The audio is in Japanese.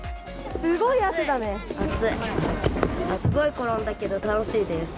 すごい転んだけど、楽しいです。